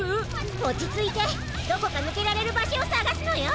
おちついてどこかぬけられるばしょをさがすのよ！